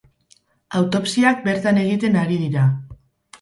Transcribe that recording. Autopsiak bertan egiten ari dira.